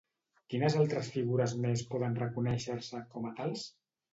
Quines altres figures més poden reconèixer-se com a tals?